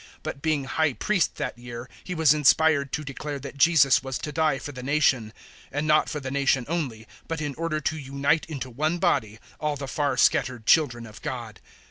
But being High Priest that year he was inspired to declare that Jesus was to die for the nation, 011:052 and not for the nation only, but in order to unite into one body all the far scattered children of God.